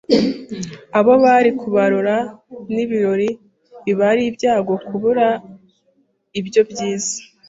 Abo bari kubarora ni ibirori Biba ari ibyago kubura ibyo byiza